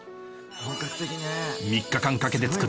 本格的ね。